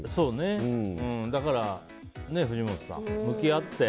だから、藤本さん向き合って。